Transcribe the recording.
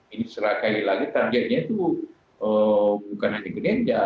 ini serahkali lagi targetnya itu bukan hanya gedeja